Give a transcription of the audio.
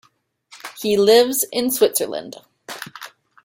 He lives in Switzerland.